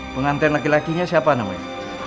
penganten laki lakinya siapa namanya